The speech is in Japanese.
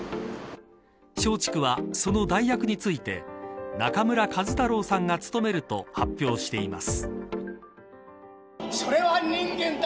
松竹は、その代役について中村壱太郎さんが務めると発表しています。